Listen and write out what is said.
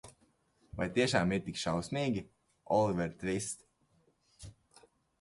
Vai tiešām ir tik šausmīgi, Oliver Tvist?